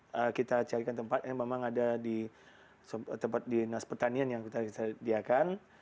jadi kita carikan tempat yang memang ada di nas pertanian yang kita sediakan